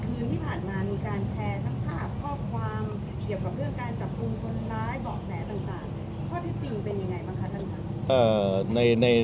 ข้อที่จริงเป็นยังไงบ้างคะท่านครับ